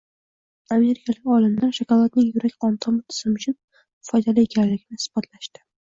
Amerikalik olimlar shokoladning yurak-qon tomir tizimi uchun foydali ekanligini isbotlashdi.